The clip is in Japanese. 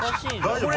大丈夫？